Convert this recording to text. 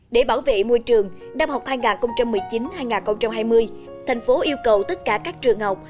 để bảo vệ môi trường năm học hai nghìn một mươi chín hai nghìn hai mươi thành phố yêu cầu tất cả các trường học